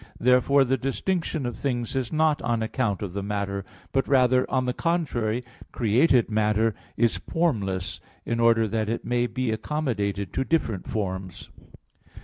Therefore the distinction of things is not on account of the matter; but rather, on the contrary, created matter is formless, in order that it may be accommodated to different forms.